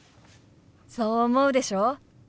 そう思うでしょ？